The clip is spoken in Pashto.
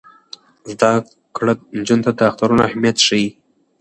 زده کړه نجونو ته د اخترونو اهمیت ښيي.